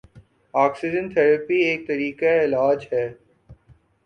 oxygen therapy ایک طریقہ علاج ہے